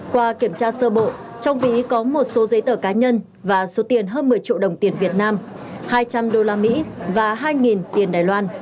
qua kiểm tra sơ bộ trong ví có một số giấy tờ cá nhân và số tiền hơn một mươi triệu đồng tiền việt nam hai trăm linh usd và hai tiền đài loan